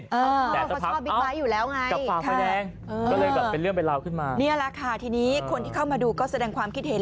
เขาชอบบิ๊บไบซ์อยู่แล้วไงค่ะนี่แหละค่ะทีนี้คนที่เข้ามาดูก็แสดงความคิดเห็น